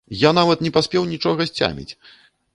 Я нават не паспеў нічога сцяміць!